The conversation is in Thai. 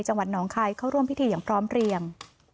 จังหวัดน้องคายเข้าร่วมพิธีอย่างพร้อมเรียง